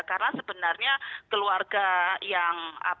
karena sebenarnya keluarga yang